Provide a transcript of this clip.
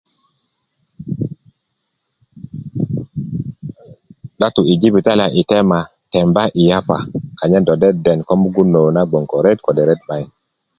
do tu i jibitali i tema temba i yapa anyen do deden ko mugun nou na ko ret kode ret 'bayin